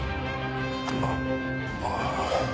あっああ